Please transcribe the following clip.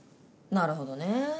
なるほどねぇ。